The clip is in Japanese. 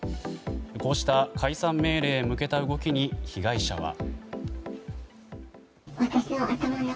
こうした解散命令へ向けた動きに被害者は。